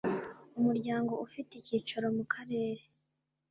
umuryango ufite icyicaro mu Karere